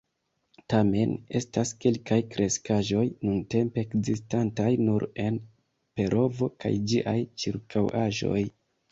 Tamen estas kelkaj kreskaĵoj nuntempe ekzistantaj nur en Perovo kaj ĝiaj ĉirkaŭaĵoj.